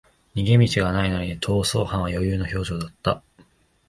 逃げ道がないのに逃走犯は余裕の表情だった